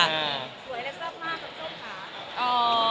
สวยแล้วเยอะมาก๑๒ค่ะ